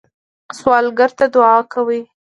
سوالګر ته دعا ورکوئ